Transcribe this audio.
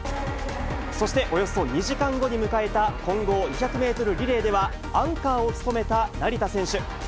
そして、およそ２時間後に迎えた混合２００メートルリレーでは、アンカーを務めた成田選手。